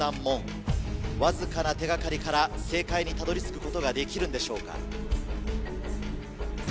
わずかな手掛かりから正解にたどり着くことができるんでしょうか？